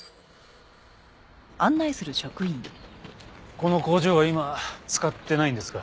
この工場は今使ってないんですか？